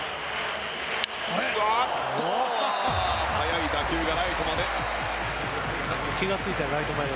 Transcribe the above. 速い打球がライトまで。